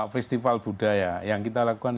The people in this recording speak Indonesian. festival budaya yang kita lakukan